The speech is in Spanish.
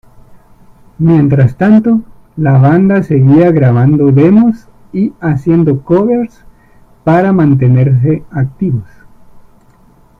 Mientras tanto, la banda seguía grabando demos y haciendo "covers" para mantenerse activos.